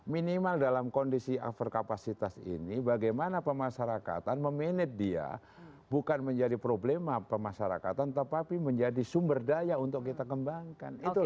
minimal dalam kondisi overkapasitas ini bagaimana pemasarakatan memanage dia bukan menjadi problema pemasarakatan tetapi menjadi sumber daya untuk kita kembangkan